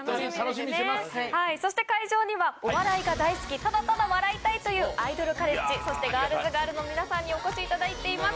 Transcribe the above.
そして会場には、お笑いが大好き、ただただ笑いたいというアイドルカレッジ、そしてガールズガールズの皆さんにお越しいただいています。